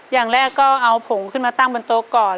อย่างแรกก็เอาผงขึ้นมาตั้งบนโต๊ะก่อน